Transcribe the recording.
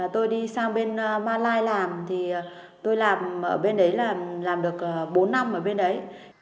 tôi đi sang bên mali làm thì tôi làm ở bên đấy là làm được bốn năm ở bên đấy